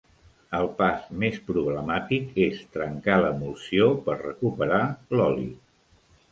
El pas més problemàtic és trencar l'emulsió per recuperar l'oli.